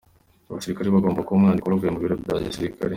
Abasirikare bagomba kuba urwandiko ruvuye mu biro bya gisirikare.